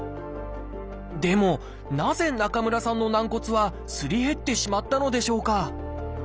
でもなぜ中村さんの軟骨はすり減ってしまったのでしょうか？